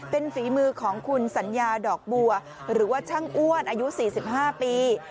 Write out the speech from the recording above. เป็นฝีมือของคุณสัญญาดอกบัวหรือว่าช่างอ้วนอายุ๔๕ปี